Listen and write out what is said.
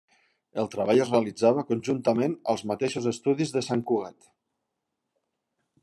El treball es realitzava conjuntament als mateixos estudis de Sant Cugat.